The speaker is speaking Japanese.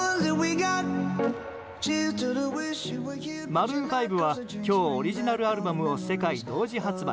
マルーン５は今日オリジナルアルバムを世界同時発売。